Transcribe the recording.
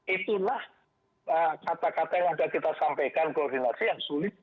itulah kata kata yang sudah kita sampaikan koordinasi yang sulit